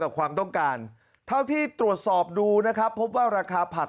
ความต้องการเท่าที่ตรวจสอบดูนะครับพบว่าราคาผัก